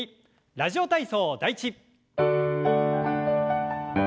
「ラジオ体操第１」。